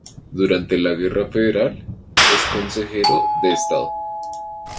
Durante la Guerra Federal es consejero de Estado.